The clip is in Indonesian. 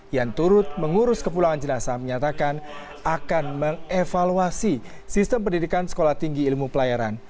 yang turut mengurus kepulangan jenazah menyatakan akan mengevaluasi sistem pendidikan sekolah tinggi ilmu pelayaran